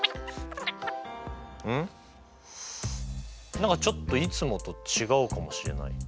何かちょっといつもと違うかもしれない。